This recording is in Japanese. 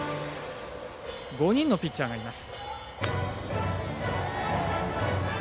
５人のピッチャーがいます。